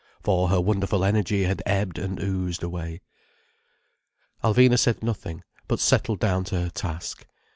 For her wonderful energy had ebbed and oozed away. Alvina said nothing, but settled down to her task.